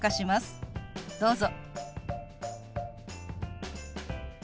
どうぞ。